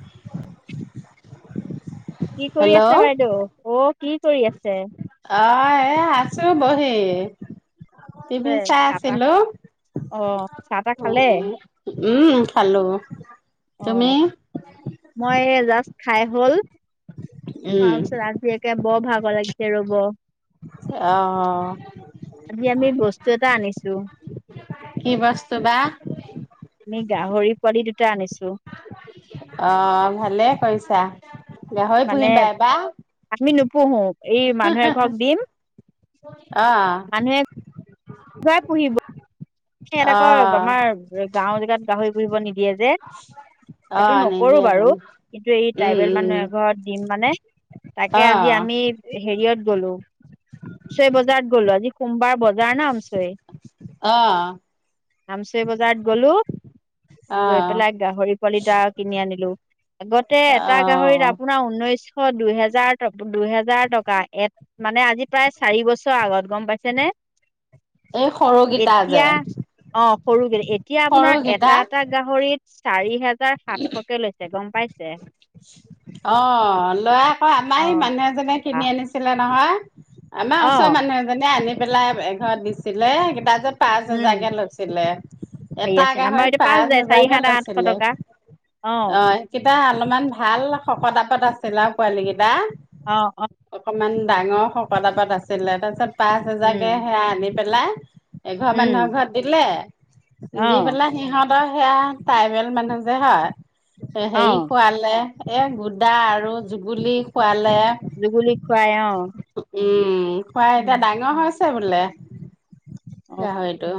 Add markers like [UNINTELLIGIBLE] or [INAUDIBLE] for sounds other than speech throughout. [INAUDIBLE] কি কৰি হেল্ল' আছে বাইদেউ, অ কি কৰি আছে। আহ আছো এ বহি টিভি চাই আছিলো। অঁ। চাহ তাহ খালে। উম খালো। অঁ তুমি মই এই জাষ্ট খাই হ'ল। উম [UNINTELLIGIBLE] ৰাতি একে বৰ ভাগৰ লাগিছে ৰ'ব। অ আজি আমি বস্তু এটা আনিছো। কি বস্তু বা। আমি গাহৰি পোৱালি দুটা আনিছো। অঁ ভালে। থৈছা। গাহৰি মানে পুহিবা এইবা আমি নোপোহো, এই মানুহ এঘৰক দিম। অ মানুহে [UNINTELLIGIBLE] [UNINTELLIGIBLE] অ আমাৰ গাওঁ জেগাত গা [UNINTELLIGIBLE] দিয়ে যে, অ সেইটো নকৰো নিদিয়ে বাৰু। তোন কিন্তু এই উম ট্ৰাইবেল উম মানুহ এঘৰত দিম মানে, তাকে অ আজি আমি হেৰিয়ত গলো, ছয় বজাৰত গলো আজি সোমবাৰ বজাৰ নে [UNINTELLIGIBLE] অ আামচৰি বজাৰত গলো, অ গৈ পেলাই গাহৰি পোৱালিটা কিনি আনিলো। আগতে অ এটা গাহৰিত আপোনাৰ উন্নৈচ [UNINTELLIGIBLE] দুইহেজাৰ ট দুহেজাৰ টকা, এত মানে আজি প্ৰায় চাৰি বছৰ আগত, গম পাইছেনে? এই সৰুকেইতা এতিয়া যে অ', সৰুগে, এতিয়া আপোনাৰ সৰুকেইটা এটা এটা গাহৰিত চাৰি হেজ [UNINTELLIGIBLE] সাতশকে লৈছে গম পাইছে। [UNINTELLIGIBLE] অ', লৰা আকৌ, আমাৰ অ হে মানুহ এজনে বা কিনি আনিছিলে নহয়। আমাৰ অ ওচৰৰ মানুহ এজনীয়ে আনি‌ পেলাই এঘৰত দিছিলে। দাৰ্জত পাঁচ উম হোজাৰকে লৈছিলে, হেৰি এটা আছে আমাৰ গাহৰিত এতিয়া পাঁচ যায় চাৰি হেজাৰকে সাত আঠশ লৈছিলে, টকা অ', সেইকেইটা অলপমান ভা ভাল শকত আবত আছিল আৰু পোৱালি কেইটা। অ' অ' ইমান ডাঙৰ শকত আবত আছিলে, তাৰপিছত পাঁচ হাজাৰ কে উম সেয়া আনি পেলাই এঘৰ মানুহৰ উম ঘৰত দিলে, অ দি পেলাই সিহঁত তাৰপৰা সেয়া ট্ৰাইবেল মানুহ যে হা অ এ-হেৰি খোৱালে এ, গুদা আৰু যুগুলি খুৱাল যুগুলি খুৱাই অ'। উম। খোৱাই এতিয়া উম, ডাঙৰ হৈছে। তাতে বোলে। অ, গাহৰিটো।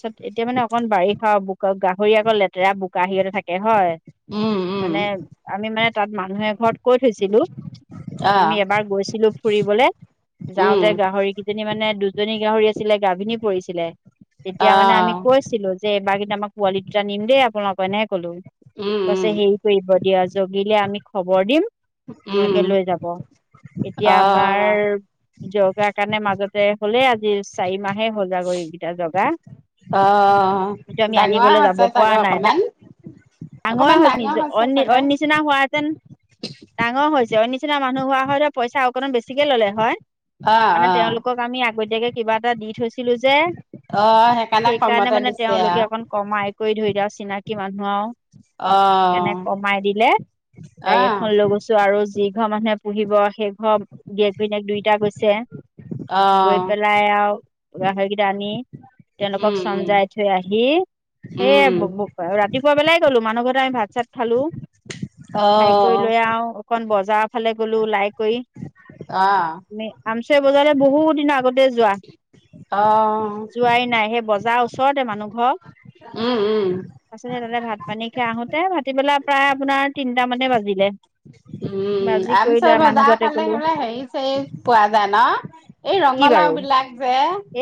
তাৰছত এতিয়া মানে অকণ বাৰিষা ব ক গাহৰি আকৌ লেতেৰা বোকা সিহঁতে থাকে হয়। উম উম মানে আমি মানে তাত মানুহে ঘৰত কৈ থৈছিলো আহ আমি এবাৰ গৈছিলো ফুৰিবলে উম যাওঁতে গাহৰি কেইজনী মানে দুজনী গাহৰি আ ছিলে গাভিনী পৰিছিলে। তেতিয়া মানে আহ আমি কৈছিলো যে এইবাৰ কিন্তু আমাক পোৱালি দুটা নিম দেই আপোনালোকৰ এনেকে কলো। উম পিছে উম হেৰি কৰিব দিয়া জগিলে আমি খবৰ দিম। উম লোকে লৈ যাব। এতিয়া আমাৰ আহ জৰকাৰ কাৰণে মাজত [UNINTELLIGIBLE] হ'লেই আজি। চাৰি মাহে সজাগ কৰিকেইটা জগা। আহ কিন্তু, আমি ডাঙৰ আনিবলৈ যাব হৈছে পৰা চাগে নাই। অকমান ডাঙৰ অকমান ডাঙৰ হৈছে, অইন চাগে। নিচিনা হোৱাহেতেন ডাঙৰ হৈছে। তেওঁৰ নিচিনা মানুহ হোৱা হ'লে পইচা আও অকমান বেছিকে ল'লে হয়। অ মানে অ তেওঁলোকক আমি আগতীয়াকে কিবা এটা দি থৈছে। ছিলো যে অ সেইকাৰণে কমতে মানে দিছে তেওঁলোকে আও অকণ কমাই কৰি ধৰি দিয়ে। চিনাকি মানুহ আও। অ সেইকাৰণে কমাই দিলে, গাড়ী আহ এখন লৈ গৈছো আৰু যি ঘৰ মানুহে পুহিব সেইঘৰৰ গিৰিয়েক ঘৈণীয়েক দুয়োটা গৈছে, অ গৈ পেলাই আৰু গাহৰিকেইটা আনি তেওঁলোকক উম উম চমজাই থৈ আহি, সেই উম ব বু ৰাতিপুৱা বেলাই ছলো মানুহ ঘৰতে আমি ভাত-চাত খালো। অ খাই কৰি লৈ আও অকণ বজ যাৰ ফালে গ'ল। লাই কৰি, আহ আমচৰি বজাৰত বহু দিনৰ আগত দে যোৱা। অ যোৱাই নাই সেই বজাৰ ওচ ওচৰতে মানুহ ঘৰ। উম, উম। [UNINTELLIGIBLE] বেলা প্ৰায় আপোনাৰ তিনটা মানেই বাজিলে। উম, বাজি কৰি আমচৈ লৈ মানুহ বজাৰৰ ঘৰতে ফালে গ'লো সেইবিলাক হেৰি-চেৰী পোৱা যায় ন, এই কি বাৰু ৰঙালাও বিলাক যে,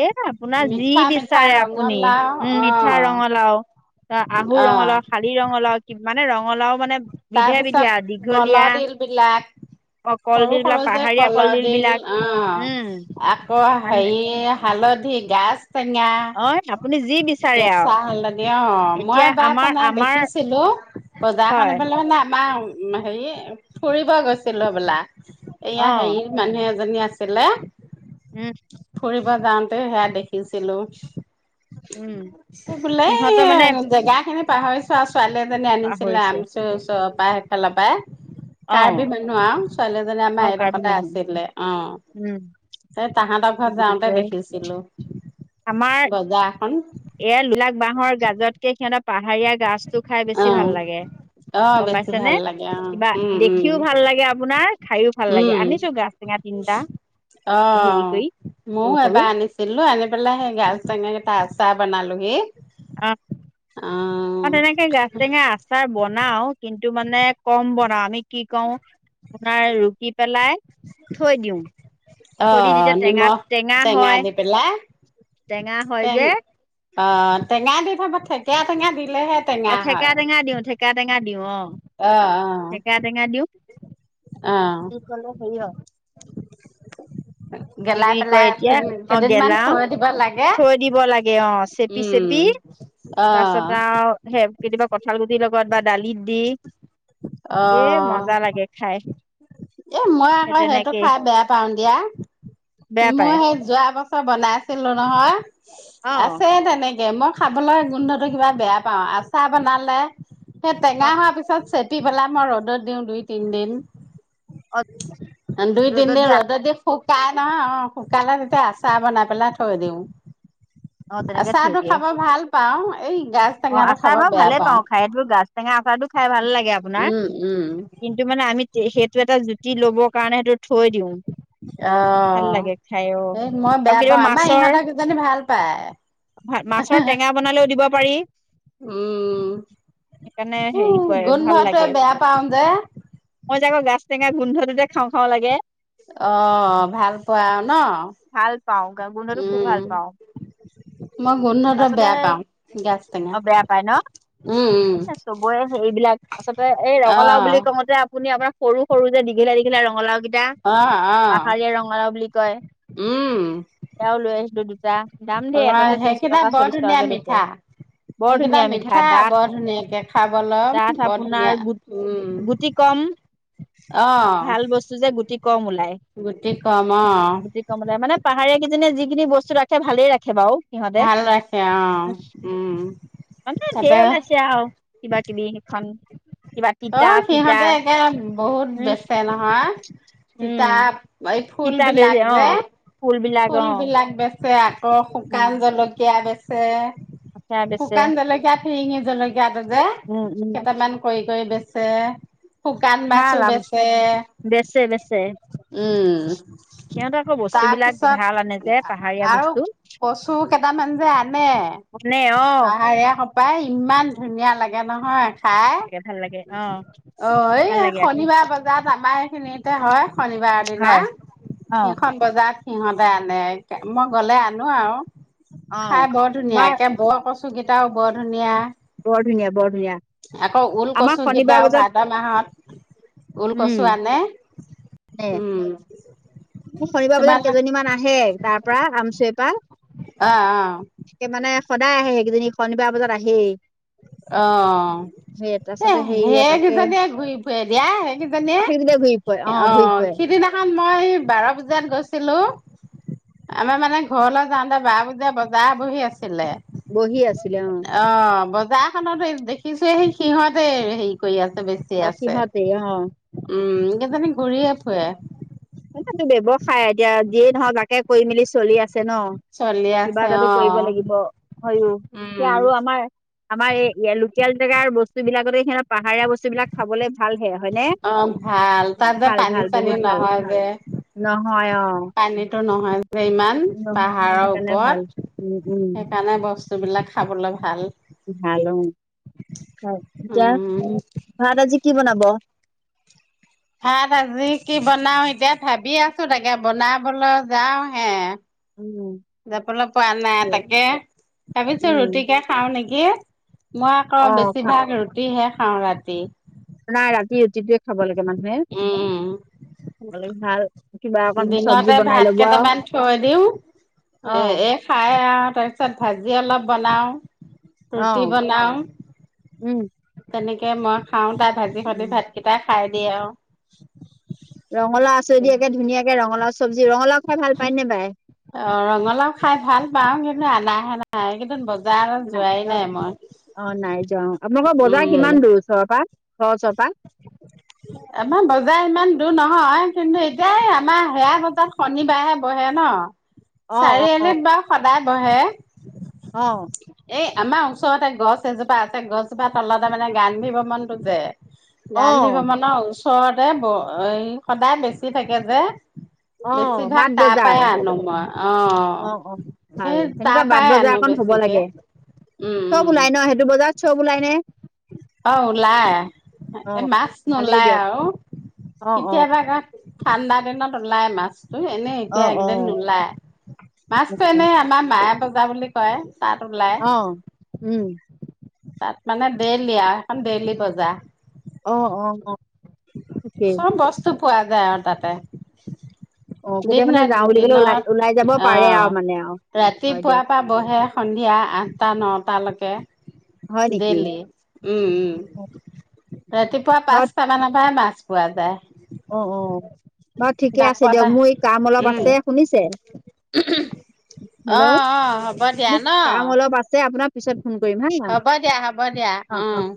এ আপোনাৰ যি মিঠা-মিঠা বিচাৰে আপুনি ৰঙালাও, উম মিঠা অ', অ'। হেৰি ৰঙালাও, কি মানে, ৰঙালাও মানে বিধে বিধে আৰু তাৰপিছত দীঘলীয়া কলৰডিল বিলাক, অ কলডিল বিলাক সৰু-সৰু যে পাহাৰীয়া কলডিল কলৰডিল, বিলাক উম অ', আকৌ মানে হেৰি হালধী, গাঁজ টেঙা, অ আপুনি যি বিচাৰে আৰু কেঁচা হালধি, অ', মই এতিয়া এবাৰ আমাৰ মানে আমাৰ দেখিছিলোঁ, বজাৰখন হয় আমাৰ হেৰি, ফুৰিব গৈছিল হবলা। এয়া, হেৰি অ মানুহে [UNINTELLIGIBLE] আছিলে। উম। ফুৰিব যাওঁতে সেয়া দেখিছিলোঁ। উম বোলে সিহঁতৰ মানে এই জেগা খিনি [UNINTELLIGIBLE] ছোৱালী এজনী আনিছিলে, পাহৰিছে আমি [UNINTELLIGIBLE] সেফালৰ পায়। অ কাৰ্বি মানুহ আৰু। ছোৱালীজনী অ আমাৰ কাৰ্বি এইডোখৰতে মানুহ আছিলে উম অ'। সেই তাহাতৰ কি ঘৰত বুলি যাওঁতে কয় দেখিছিলো, আমাৰ গজা [UNINTELLIGIBLE] এয়া লোলাক বাঁহৰ গাজতকে সিহঁতক পাহাৰীয়া গাজটো খাই অ বেছি ভাল লাগে। অ গম বেছি পাইছেনে, ভাল লাগে অ কিবা উম উম দেখিওঁ ভাল লাগে আপোনাৰ, খাইওঁ ভাল লাগে, উম আনিছো গাজ টেঙা তিনিটা অ হেৰি কৰি, ময়ো সৰু এবাৰ সৰু। আনিছিলো আনি পেলাই সেই গাজ টেঙা [UNINTELLIGIBLE] বনালোহি। [UNINTELLIGIBLE] অ ম তেনেকে গাজ টেঙা আচাৰ বনাওঁ, কিন্তু টো মানে কম বনাওঁ আমি কি কৰো, তোমাৰ ৰুটিত পেলাই থৈ দিওঁ, অ থৈ দি যেতিয়া টেঙা নিমখ টেঙা হয় দি পেলাই টেঙা হয় টেং যে অ' টেঙা দি থ পঠাক [INAUDIBLE] অ' ঠেকেৰা টেঙা দিওঁ ঠেকে চকা টেঙা দিওঁ অ' ঠেকেৰা টেঙা দিওঁ, অ দি পেলাই হেৰি হয়। কি গেলাই বুলি পেলাই কয়, এতিয়া তিন অ' কেইদিনমান গেলাওঁ থৈ দিব লাগে থৈ দিব লাগে অ' চেপি উম চেপি অ তাৰপাছত আৰু সেই কেতিয়াবা কঁঠাল গুটিৰ লগত বা দালিত দি অ এ মজা লাগে খাই। এ মই সেই আকৌ সেইটো তেনেকে খাই বেয়া পাওঁ দিয়া। বেয়া মই পায় সেই যোৱা ৱা বছৰ বনাইছিলো নহয় অ আছে তেনেকে কে মই খাবলৈ গোন্ধটো কিবা বেয়া পাওঁ আচাৰ বনালে। সেই অ টেঙা হোৱাৰ পিছত চে পি পেলাই মই ৰ'দত দিওঁ দুই তিনিদিন। অ দুই তিনদিন ৰ'দত দি খুব তাত অ', অ' শুকালে তেতিয়া আচাৰ বনাই পেলাই থৈ দিওঁ। অ তেনেকে থৈ আচাৰটো দিয়ে খাব ভাল পাওঁ, এই গাজ অ টেঙাটো আচাৰ খাব বাৰু বেয়া ভালে পাওঁ। খাই এইটো গাজ টেঙা আচাৰ টো খাই ভাল লাগে আপোনাৰ উম উম কিন্তু মানে আমি সেইটো এটা জুতি ল'বৰ কাৰণে সেইটো থৈ দিওঁ ভাল অ' লাগে খাই অ সেই মই বেয়া পাওঁ, আমাৰ ইহঁতৰ কেইজনী ভাল পায়। হয়, মাছৰ টেঙা বনালেও দিব পাৰি উম, সেইকাৰণে হেৰি উম কৰে ভাল গোন্ধটোৱে লাগে বেয়া পাওঁ যে? মই যে আকৌ গাজ টেঙা গোন্ধটোতে খাওঁ খাওঁ লাগে। অ' ভাল পোৱা ন ভাল পাওঁ, গা গোন্ধটো খুব উম ভাল পাওঁ, মই গোন্ধটো তাৰপাছতে বেয়া পাওঁ গাজ টেঙা অ' বেয়া পাই ন? উম উম চবৰে হেৰিবিলাক আচলতে এই অ ৰঙালাও বুলি কওঁতে আপুনি আমাৰ সৰু সৰু যে দীঘিলা দীঘিলা ৰঙলাও কি তা, অ অ পাহাৰীয়া ৰঙালাও বুলি কয় উম। [UNINTELLIGIBLE] দাম দেই অ' এটাতে ত্ৰিশ সেইকেইটা টকা বৰ চল্লিশ ধুনীয়া টকাকে লৈছে মিঠা বৰ সেইকেইটা ধুনীয়া মিঠা ডাঠ বৰ ধুনীয়াকে খাব লম ডাঠ বৰ আপোনাৰ ধুনীয়া গু উম, গুটি কম ভাল অ'। বস্তু যে গুটি কম ওলাই গুটি ক'ম অ'। গুটি কমলা মানে পাহাৰীয়া কেইজনীয়ে যিখিনি বস্তু ৰাখে ভালেই ৰাখে বাৰু। সিহঁতে, ভাল ৰাখে অ উম মানে ঢেৰ তাতে ওলাইছে আৰু কিবা কিবি সেখন। অ' সিহঁতে একে বহুত উম বেচে নহয় তিতা উম এই ফুল বিলাক যে। ফুল বিলাক অ'। ছে আ কৌ উম শুকান জলকীয়া বেছ যে সেয়া বেচে শুকান জলকীয়া ফিৰিঙি জলকীয়াটো যে উম উম কেইটামান কৰি। গৈ বেচে। শুকান মাছো ভাল আম বেচে বেচে বেচে উম সিহঁতৰ আকৌ বস্তু বিলাক তাৰপিছত ভাল আনে যে পাহাৰীয়া আৰু বস্তু কচু কেইটামান যে আনে আনে অ পাহৰীয়াসপা সপাই ইমান ধুনীয়া লাগে। তে নহয়। হা ভাল লাগে অ অ' এই ভাল লাগে আকৌ শনিবাৰ বজাত আমাৰ। সেনে এটা হয়। শনিবাৰৰ দিনা হয় অ সিখন বজাত। সিহঁতে আনে মই গলে আনো আৰু। অ খাই বৰ ধুনীয়া আমাৰ একে বৰ কষ্ট। চুকেইটাও বৰ ধুনীয়া। বৰ ধুনীয়া বৰ ধুনীয়া আমাৰ শনিবাৰ গতাও বজাত ভাত মাহত। ওল উম কচু আনে নে উম। শনিবাৰ বজাত তোমালোক কেইজনীমান আহে তাৰ পৰা আমচুৱপ অহ অহ [INAUDIBLE] সদায় আহে সেইজনিনী শনিবাৰ বজাত আহেয়ে অ' এ তাৰপিছতে হেৰিয়ে তাকে সেইকেইজনীয়ে ঘূৰি ফুৰে দিয়া সেইকেইজনীয়ে ঘূৰি ফুৰে অ ঘূৰি ফুৰে সিদিনাখন মই বাৰ পুজাত গৈছিলো আমাৰ মানে ঘৰলৈ যাওঁতে বাৰ পূজিয় বজাৰ বহি আছি বহি আছিলে অ অ খানতে দেখিছো সেই সিহঁতে হেৰি কৰি আছে। বেছি অ আছে সিহঁতে অ উম কেইজানী ঘূৰি স [UNINTELLIGIBLE] টো ব্যৱসায় এতিয়া দিয়ে নহক বাকে কৰি মেলি চলি আছে। ন চলি কিবা আছে এটাটো অ কৰিব লাগিব হয় এতিয়া উম আৰু আমাৰ আমাৰ এই লোকেল জেগাৰ বস্তু বিলাকতে সে পাহাৰীয়া বস্তুলাক খাব ভাল হে অ' ভাল তাত যে পানী চানী বহুত ভাল নহয়। যে নহয় অ পানীটো নহয় যে ইমান নহয় পাহাৰৰ সেইকাৰণে ভাল ওপৰত উম উম সেইকাৰণে বস্তুবিলাক খাবলৈ ভাল। ভাল অ হয় এতিয়া উম ভাত আজি কি বনাব। [INAUDIBLE] ভাত আজি কি বনাওঁ এতিয়া ভাবি আছো তাকে বনাবলৈ যাওঁ হে। উম যাবলৈ পোৱা নাই তাকে ভাবিছো উম ৰুটিকে খাওঁ নেকি? মই আকৌ অ ভা বেছিভাগ ৰুটিহে খাওঁ ৰাতি। নাই ৰাতি ৰুতিটোয়ে খাব লাগে মানুহে, উম, খাব লৈ ভাল কিবা অকণ চব্জি দিনতে বনাই ভাত ল'ব আৰু কেইটামান থৈ দিওঁ, অ' এ-এ খাই আৰু তাৰপিছত ভাজি অলপ বনাওঁ ৰুটি অ', বনাওঁ, উম তেনেক [UNINTELLIGIBLE] খাওঁ তাই ভাজিসৈতে উম ভাতকেইটা খাই এওঁ ৰঙলাউ আছে যদি একে ধুনীয়াক কে ৰঙালাওৰ চবজি, ৰঙালাও খাই ভাল পায় নে বাই? অ', ৰঙালাও খাই ভাল পাওঁ, কিন্তু অনাহে নাই ই, এইকেইদিন বজ নাই, অ', নাই যোৱা অ', আপোনালোকৰ বজাৰ উম কিমান দূৰ ওচৰৰ পৰা? ঘৰৰ ওচৰৰ পৰা? আমাৰ বজাৰ ইমান দূৰ নহয় কিন্তু এতিয়া আমাৰ সেয়া বজাৰ শনিবাৰেহে বহে ন। অ' অ' অ' চাৰিআলিত বাৰু সদায় বহে, অ' এ আমাৰ ওচৰতে গছ এজোপা আছে, গছজোপাৰ তলতে মানে গান্ধী ভৱনটো যে গান্ধী অ' ভৱনৰ ওচ ওচৰতে ব এই সদায় বেছি থাকে যে। অ' বেছিভাগ বাট তাৰ পৰাই বজাৰ, আনো মই অ অ' অ' সেই ভাল তাৰ সেনেকুৱা বাট পৰাই আনো বজাৰ এখন হ'ব বেছিকে লাগে, উম চব উম ওলাই ন সেইটো বজাৰত চব ওলাই নে? অ' ওলাই, এ অ', মাছ ভালেই নোলায় দিয়ক। আৰু অ', অ', কেতিয়াবা কা ঠাণ্ডা দিনত ওলাই মাছ। ধুই এনেই অ', এতিয়া একদিন অ', নোলাই। মাছতো অ', এনে আমাৰ মায় জা বুলি কয়। তাত ওলাই অ' উম তাত মানে ডেইলি আৰু এখন ডেইলি বজাৰ। অ' অ' ঠিকেই। চব বস্তুত পোৱা যায় আৰু তাতে। অ', দিন কেতিয়া মানে নাই যাওঁ বুলি ক'লে ওলাই দিনত ওলাই যাব পাৰে অহ আৰু মানে আৰু। হয় ৰাতিপুৱাৰ দিয়ক, পৰা বহে সন্ধিয়া আঠটা নটালৈকে হয় নেকি? দেইলি উম উম ৰাতিপুৱা বাৰু পাঁচটা মানত মাছ পোৱা যায়। অ' অ' বাৰু ঠিকে আছে ডাকত দিয়ক আহ মোৰ এই কাম অলপ উম আছে শুনিছে হেল্ল' অঁ অঁ হ'ব দিয়া মোক ন কাম অলপ আছে আপোনাক পিছত ফোন কৰিম হা। হ'ব দিয়া হ'ব দিয়া অ'।